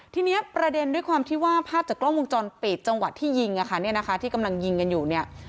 ทีนี้ประเด็นด้วยความที่ว่าภาพจากกล้องวงจรปิดจังหวะที่ยิงอ่ะค่ะเนี่ยนะคะที่กำลังยิงกันอยู่เนี่ย